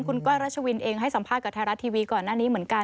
คุณก้อยรัชวินเองให้สัมภาษณ์กับไทยรัฐทีวีก่อนหน้านี้เหมือนกัน